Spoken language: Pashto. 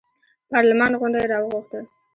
پارلمان غونډه یې راوغوښته.